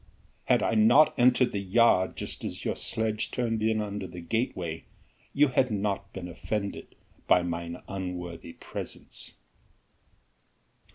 "Had I not entered the yard just as your sledge turned in under the gateway, you had not been offended by mine unworthy presence."